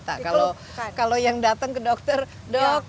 tiap malam saya bertenangnya sama sebuah kelengkapan ke forest lake turks